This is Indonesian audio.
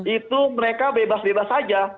itu mereka bebas bebas saja